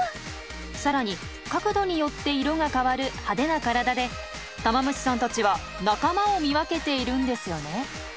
更に角度によって色が変わる派手な体でタマムシさんたちは仲間を見分けているんですよね？